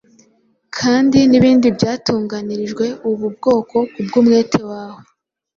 kandi n’ibindi byatunganirijwe ubu bwoko ku bw’umwete wawe.